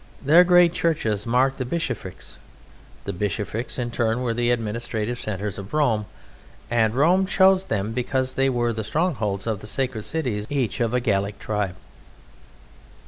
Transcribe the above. Their great churches mark the bishoprics; the bishoprics in turn were the administrative centres of Rome, and Rome chose them because they were the strongholds or the sacred cities each of a Gallic tribe.